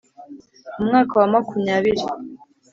mu mwaka wa makumyabiri